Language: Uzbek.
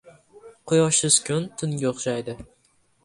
• Quyoshsiz kun tunga o‘xshaydi.